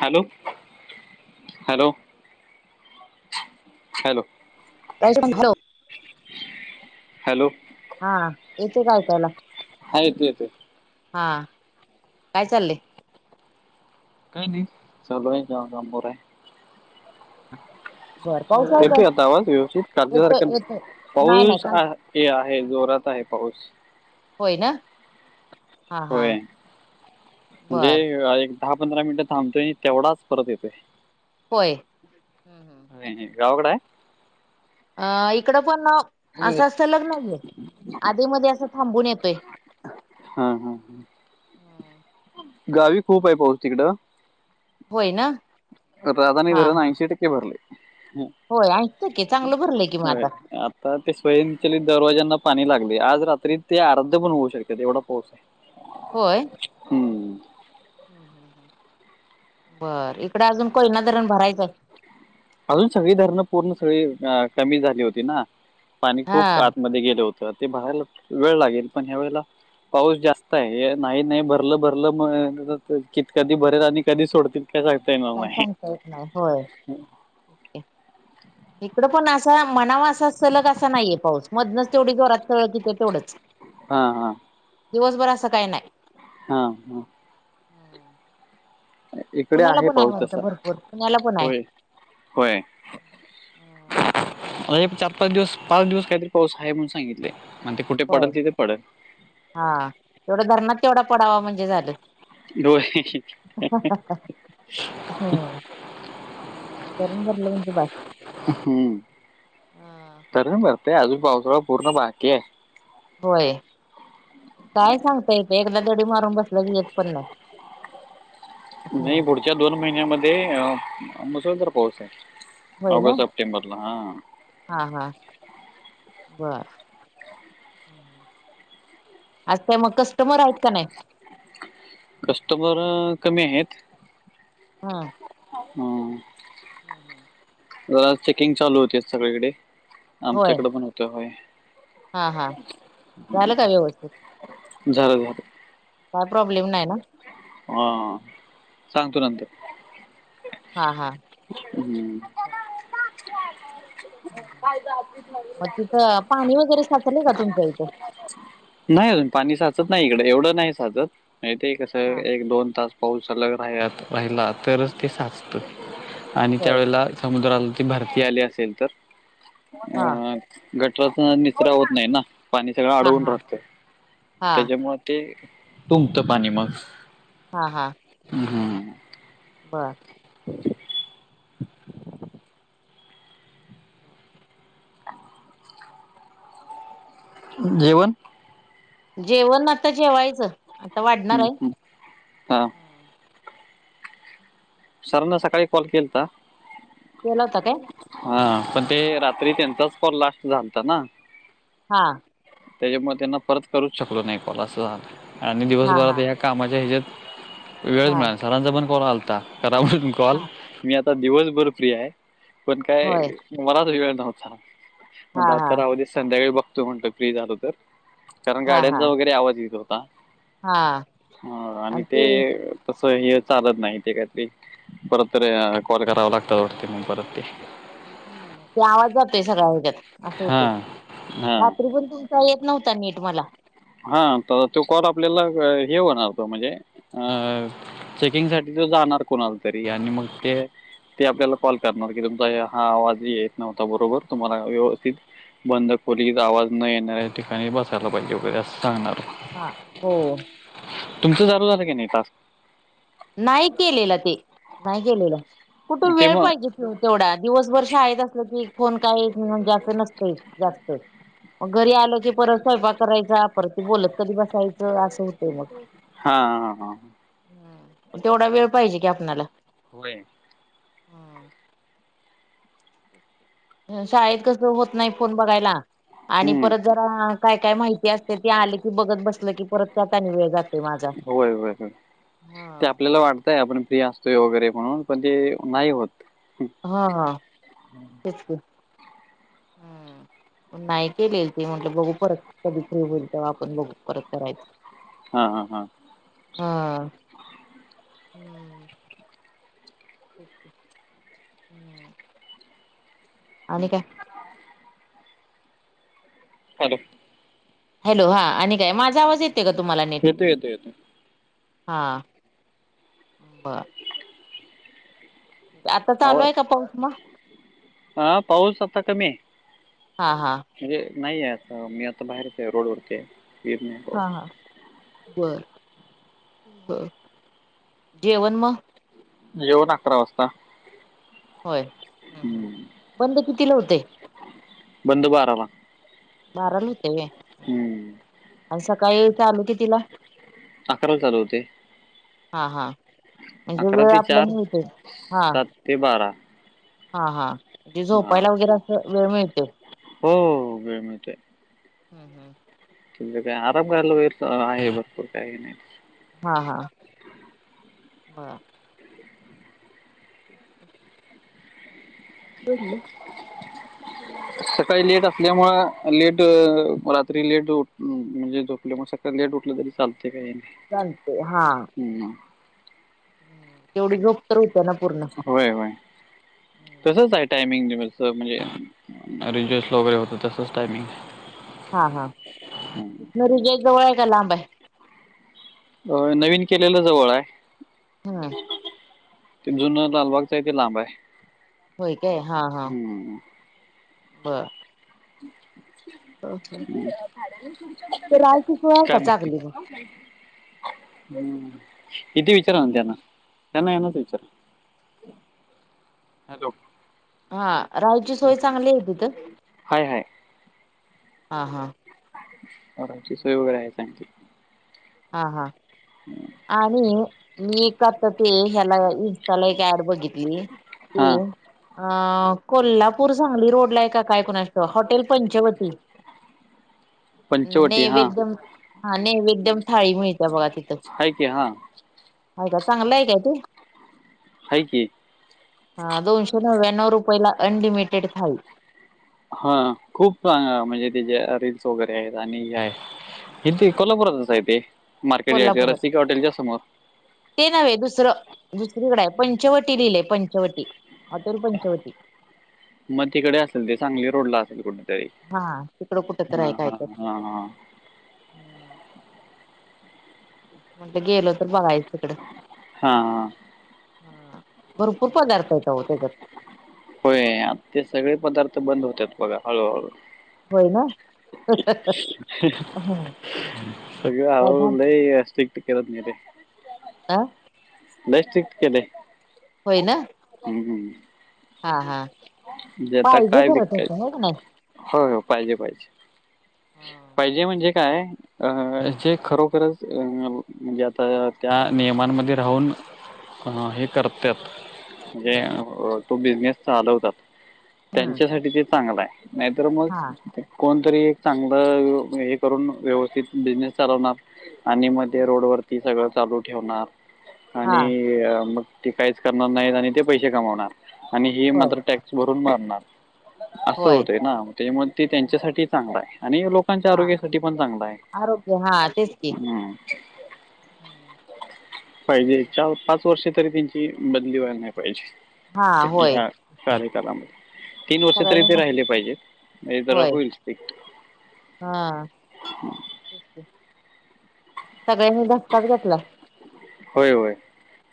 Hello hello. Hello. Hello. Hello. हा येतय का आयकायला? हा येतोय येतोय. हा काय चाललंय? काय नाही चालू आहे [unintelligible] आहे. बरं पाऊस आहे काय? येतोय आता आवाज व्यवस्थित कालच्या येतोय सारखा येतोय नाही नाही पाऊस काल आ हे आहे जोरात आहे पाऊस. होय ना. हा हा होय, म्हणजे बर एक दहा पंधरा मिनिटं थांबतोय तेवढाच परत येतोय. होय. होय गावाकड आहे? अ इकडं पण असा सलग नाहीये अधे मध्ये असं थांबून येतोय. हा हा हां गावी खूप आहे पाऊस तिकडं. होय ना. राधानी हा धरण हा ऐंशी टक्के भरलय. होय ऐंशी टक्के चांगलं भरलंय की मग आता. तर ते स्वयंचलीत दरवाज्यांना पाणी लागले आज रात्री ते आर्ध्य पण होऊ शकत एवढा पाऊस आहे. होय? हम्म ह ह ह बर इकड अजून कोयना धरण भरायचंय. अजून सगळी धरणं पूर्ण सगळी कमी झाली होती ना पाणी खूप हा. आतमध्ये गेल होत. तर ते भरायला वेळ लागेल पण ह्या वेळेला पाऊस जास्त आहे नाही नाही भरलं भरलं म क कधी भरेल आणि कधी सोडतील काय सांगता येणार काय नाही. सांगता येत नाही. होय. [unintelligible] इकडं पण असा म्हणावा असा सलग असा नाहीये पाऊस मधनच तेवढी जोरात सळक येती तेवढंच. [inaudible] हा हा. दिवसभर असं काय नाही. हा हा. इकडे पुण्याला आहे पण पाऊस तसा वाटतं भरपूर पुण्याला पण आहे. होय होय. आ हे चार पाच दिवस पाच दिवस काहीतरी पाऊस आहे म्हणून सांगित ले म्हणते कुठे होय पडल तिथे पडल. हा तेवढा धरणात तेवढा पडावा म्हणजे झालं. होय. ह धरण भरलं म्हणजे बास. हम्म धरण भरतय अजून पावसाळा पूर्ण बाकी आहे. होय. काय सांगतायेते एकदा गडी मारून बसल्या ग येत पण. नाही पुढच्या दोन महिन्यामध्ये मुसळधार पाऊस आहे. ऑगस्ट सप्टेंबरला ह. हां हां बरं. आज मग कस्टमर आहेत का नाही. कस्टमर कमी आहेत. हा. [unintelligible] [unintelligible] चेकिंग चालू होते सगळीकडे होय आमच्याकडे पण होतय. हा हा झालं का व्यवस्थित. झार झाल. काय प्रॉब्लेम नाही ना. हा सांगतो नंतर. हा हा. [unintelligible] मग तिथं पाणी वगैरे साचलय का तुमच्या इथं. नाही अजून पाणी साचत नाही इकड एवढं नाही साचत मग ते कसं हा आहे एक दोन तास. पाऊस अल राहत राहिला तरच ते साचत आणि होय त्यावेेळेला. समुद्राला ती भरती आली असेल तर. हा. गटराचा निचरा होत नाही ना पाणी सगळं हा अडवून हा राहतं हा त्याच्यामुळे. ते तुंब ते पाणी मग. हा हा. [inaudible] बर. [unintelligible] जेवण. जेवण आता जेवायचं. आता वाढणार हम् आहे हम् ह सरांना सकाळी कॉल केलता. [inaudible] आलता काय. हा पण ते रात्री त्यांचाच कॉल लास्ट झालता ना. [unintelligible] त्याच्यामुळे त्यांना परत करूच शकलो नाही कॉल असं झालंय आणि हा दिवसभरात हा ह्या. कामाच्या ह्याच्यात वेळच हा मिळाल सरांचा पण कॉल आलता. करा मी कॉल. हा आता दिवसभर फ्रि हाय पण काय होय मलाच वेळ नव्हता. हा म्हटलं हा आता राहु दे संध्याकाळी बघतो म्हटलं फ्री झालो तर. कारण हा हा गाड्यांचा वगैरे आवाज येत होता हा आणि ते. तस हे चालत नाही ते काहीतरी परत तर कॉल करावा लागतात वाटते ह परत ते. ह ते आवाज जातोय सगळ हच्यात असं होतो हां, हां. रात्री पण. [inaudible] येत नव्हता नीट मला. हा तर तो कॉल आपल्याला हे होणार तो म्हणजे. चेकिंग साठी तो जाणार कोणाला तरी आणि मग ते. ते आपल्याला कॉल करणार की तुमचा ये हा आवाजही येत नव्हता बरोबर तुम्हाला व्यवस्थित. बंद खोलीत आवाज न येणाऱ्या ठिकाणी बसायला पाहिजे वगैरे असं सांगणार. हा.... हो.... तुमचं, चालु झालं की नाही? काल. नाही केलेलं ते, नाही केलेलं कुठे ते वेळ मग पाहिजे? तेवढा, दिवसभर शाळेत असलं की कोन काही म्हणजे? असं नसतय जास्त मग, घरी आलो की, परत स्वयंपाक करायचा. परत ते बोलत कधी बसायचं. असं होतंय मग हा.. हा... हा तेवढा वेळ पाहिजे की, आपनाला व्हय.... शाळेत कस होत नाही, फोन बघायला आणि हं. परत जरा, काय काय माहिती असत्या. ती आल की बघत बसल की परत. त्यात आणि वेळ जात. व्हय.. व्हय... व्हय ते आपल्याला वाटत. ते आपण फ्री असतोय वगैरे म्हणून, पण ते नाही होत हा... ह... तेच की. [unintelligible] हम्म नाही केलेल ते म्हटलं, बघू परत कधी फ्री होईल तेव्हा, आपण बघू परत करायच. हा... हा... हा हा.... हम् हम्म..... [unintelligible] आणि काय.... हॅलो.... हॅलो... हा.. आणि काय? माझा आवाज येतोय का? तुम्हाला नीट येतोय, येतोय, येतोय. हा.... बर. आता आवाज चालूय का पाऊस? मग... हा... पाऊस आता कमी आहे. हा.... हा म्हणजे, नाही आहे आता मी आता बाहेरच आहे. रोडवरती आहे. येत नाही. पाऊस हां... हां... बरं... बरं.. जेवण मग? जेवण, अकरा वाजता. होय... ह... हम्म. बंद कितीला होतंय? बंद बाराला. बाराला हुत्या व्हय. हम्म.... आणि सकाळी चालू कितिला? अकराला चालू होतंय. हा... हा.. म्हणजे? अकरा वेळ ते आपला चार मिळतोय. हा... सात ते बारा हा... हा... जे हा झोपायला वगैरे अस वेळ मिळतो. हो... वेळ मिळतोय. हम्म... हम् त काय आराम कयला वेर आहे. भरपूर काही नाही. हा... हां [unintelligible] बरं [unintelligible] [unintelligible] [unintelligible] [unintelligible] अस सकाळी लेट असल्यामुळे, लेट रात्री लेट. म्हणजे, झोपल्यामुळे सकाळी लेट उठलं तरी चालतंय. [unintelligible] चालतंय हा. हम्. तेवढी झोप तर होते ना पूर्ण. व्हय व्हय तसच आहे टायमिंग [unintelligible] म्हणजे [unintelligible] वगैरे होत तसच टायमिंग आहे. हा हा तिथंन [unintelligible] जवळ आहे का लांब आहे? अ नवीन केलेलं जवळ आहे. हम् ते जुन लालबागच आहे ते लांब आहे. होय काय? हा हा. हम् हू. बरं. [inaudible] राय पिकू [unintelligible] आहे काय का माहिती. चांगली मग हम्म इथे विचारा ना त्यांना, त्यांना यांनाच विचारा. हॅलो हा राहूची हं. सोय चांगली आहे तिथं? हाय हाय. हा हा. राहायची सोय वगैरे आहे चांगली. हा हा आणि मी का त ते ह्याला त्याला एक ऍड बघितली, ती हां. अ कोल्हापूर सांगली रोड ला आहे का काय कुणास त हॉटेल पंचवटी पंचवटी हां. नैवेद्यम हा नैवेद्यम थाळी मिळते बघा तिथं, हाय की हां. खायला चांगलं आहे काय ते? हाई कि. हा दोनशे नव्याण्णव रुपयला अनलिमिटेड थाळी. ह खूप म्हणजे त्याचे रिल्स वगैरे आहेत, आणि हे आहेत. इथे कोल्हापुरातच हाए ते, मार्केट या कोल्हापुरात रसिका हॉटेलच्या समोर. ते नव्हे, दुसरं दुसरीकडे आहे. पंचवटी लिहिलय पंचवटी हॉटेल पंचवटी. मग तिकडे असेल ते, सांगली रोड ला असेल कुठ. हा तिकडं कुठ तर आहे काय तर. हां, हां. हू म्हटलं गेलो तर बघायचं. तिकड हां, हां. हा भरपूर पदार्थ आहेत अहो त्याच्यात. होय ते सगळे पदार्थ बंद होतात बघा हळूहळू. होय ना हा. सगळ हळूहळू लई स्ट्रिक्ट करत नेलय. अ. लई स्ट्रिक्ट केलंय. व्हय ना! हम् हम्. हा हा आता पाहिजे काय खरंं तर विकायच ते हो की नाय? होय हो पाहिजे पाहिजे, हम्म पाहिजे म्हणजे काय अं जे खरोखरच अ म्हणजे आता त्या नियमांमध्ये राहून अ हे करत्यात, म्हणजे अ तो बिझनेस चालवतात हम्म त्यांच्यासाठी ते चांगलं आहे नाहीतर हा मग कोणतरी एक चांगलं हे करून व्यवस्थित बिझनेस चालवणार आणि मध्ये रोड वरती सगळं चालू ठेवणार. हा आणि मग ते काहीच करणार नाहीत, आणि ते पैसे कमावणार. आणि हे होय मात्र टॅक्स भरून मरणार. असं होय होतय ना. त्याच्यामुळे मग ते त्यांच्यासाठी चांगला आहे. आणि लोक लोकांच्या हा आरोग्यासाठी पण चांगला आहे. आरोग्य हा तेच की [inaudible] हम् पाहिजे. चार, पाच वर्ष तरी त्यांची बदली व्हायला नाही पाहिजे. हा [unintelligible] होय तीन वर्ष तरी सगळ्यांनी ते घ राहिले पाहिजेत. मग जरा होय होईल ते हा. सगळ्यांनी धक्काच घेतला. होय होय.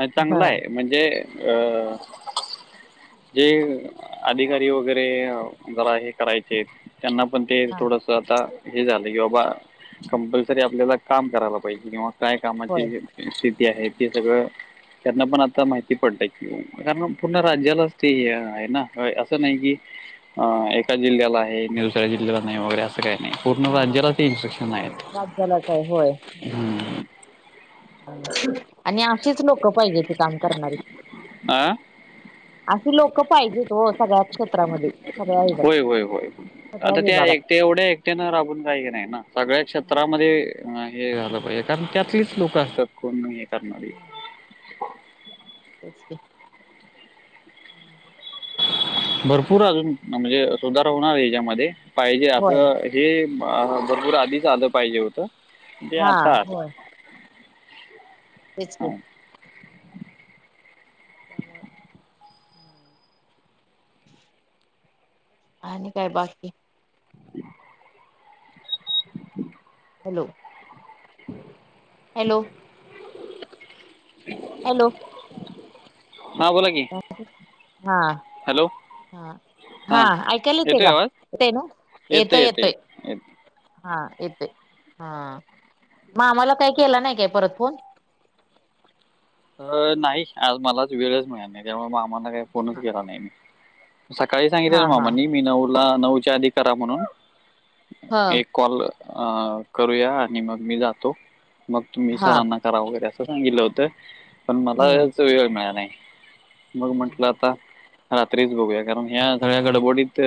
मग ह चांगला आहे, म्हणजे अ हे अधिकारी वगैरे जरा हे करायचे त्यांना पण ते हा थोडसं आता हे झालं कि बाबा, कंपल्सरी आपल्याला काम करायला पाहिजे. किंवा काय होय कामाची आहे ते सगळं. त्यांना पण आता माहि पडतंय कि. कारण मग पूर्ण राज्यालाच ते हे आहे ना होय, असं नाही की, अ एका जिल्ह्याला आहे आणि दुसऱ्या जिल्ह्याला नाही वगैरे असं [unintelligible] पूर्ण हा राज्यालाच ते इन्स्ट्रक्शन आहेत. राज्यालाच आहे होय [unintelligible] आणि अशीच लोक पाहिजे ते काम करणारी. आ [inaudible] असे लोक पाहिजेत हो सगळ्याच क्षेत्रामध्ये. सगळ्या होय होय होय. [unintelligible] त्यांना राबून काही हे नाही ना. सगळा क्षेत्रामध्ये हे झालं पाहिजे, कारण त्यातलीच लोक असतात कोण हे करणारी. [unintelligible] [inaudible] भरपूर अजून म्हणजे सुधार होणार याच्यामध्ये, पाहिजे होय असं हे भरपूर आधीच आलं पाहिजे होतं. तेे हा आता आलं. होय तेच की हां [inaudible] आणि काय बाकी? [inaudible] हॅलो. हॅलो. [inaudible] हॅलो [inaudible] हा बोला की. [inaudible] हा. हॅलो हा [inaudible] हा ऐकायला येते येतोय का? आवाज येतंय ना. येते येतोय, येते येतोय येते हा येतोय. हा. मामाला काही केला नाही काय परत फोन? अ नाही. आज मलाच वेळच मिळाला नाही. त्यामुळं मग मामाला काही फोनच केला नाही मी. सकाळी हा सांगितलेलं हा मामांनी मी नऊला नऊच्या आधी करा म्हणून. हा. एक कॉल अ करूया, आणि मग मी जातो मग तुम्ही हा सरांना करा वगैरे असं सांगितलं होतं. पण मला हम्म याच वेळ मिळाय नाही, मग म्हंटलं हम्म आता रात्रीच बघूया, कारण ह्या सगळ्या गडबडीत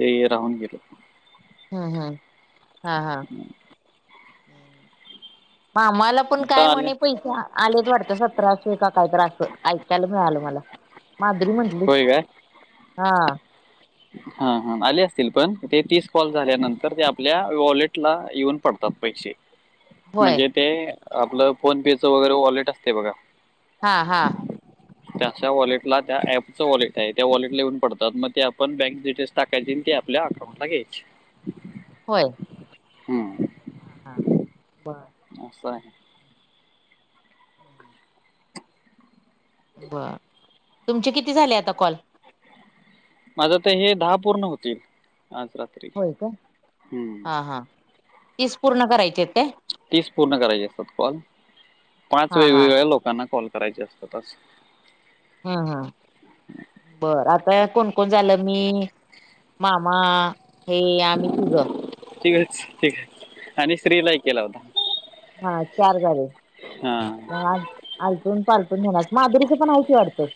ते राहून गेलं. हम्म हम्म हा हा, मग आम्हाला आपण काय आता आले म्हणे पैसे, आलेत वाटत सतराशे का कायतर असं, ऐकायला मिळालं मला. मादुरी म्हटली. होय काय? हा हा हा आले असतील पण, ते तीस कॉल झाल्यानंतर ते आपल्या वॉलेट ला येऊन पडता -त पैशे. होय म्हणजे ते आपलं फोन पे च वगैरे वॉलेट असतय बघा हा हा. त्या त्या वॉलेटला, त्या ऍपचं वॉलेट आहे. त्या वॉलेट ला येऊन पडतात, मग ते आपण बँक डिटेल्स टाकायचे अन् ते आपल्या अकाऊंट ला घ्यायचे. होय. हम्म. हा हा बरं. असं हाय. हम्म हम्म. बर. तुमचे किती झाले आता कॉल? माझं आता हे दहा पूर्ण होतील. आता होय का? हा हा. तीस पूर्ण करायचेत काय? तीस पूर्ण करायचे असतात कॉल. पाच हा हा वेगवेगळ्या लोकांना कॉल करायचे असतात असं. हां हां. बरं. आता कोण कोण झालं? मी, मामा, हे, आम्ही तिघं. तिघंच, आणि श्री ला एक केला होता. हा चार झाले. हा मग आज आलटून पालटून घेणार. मादुरीच पण हाय की वाटत?